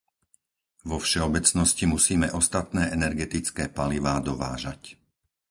Vo všeobecnosti musíme ostatné energetické palivá dovážať.